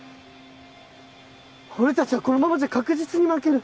俺たちはこのままじゃ確実に負ける。